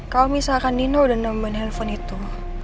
kalau misalkan dina udah nge nomen handphone itu